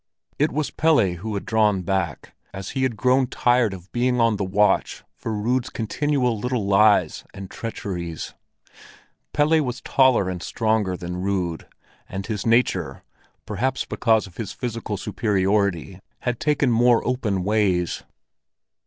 It was Pelle who had drawn back, as he had grown tired of being on the watch for Rud's continual little lies and treacheries. Pelle was taller and stronger than Rud, and his nature —perhaps because of his physical superiority—had taken more open ways.